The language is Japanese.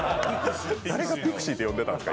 誰がピクシーって呼んでたんですか。